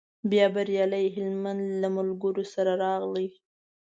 بیا بریالی هلمند له ملګرو سره راغی.